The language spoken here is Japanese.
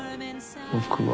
僕は。））